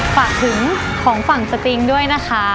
ฝากถึงของฝั่งสติงด้วยนะคะ